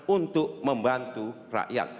untuk membantu rakyat